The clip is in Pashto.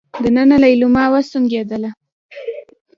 دننه ليلما وسونګېدله.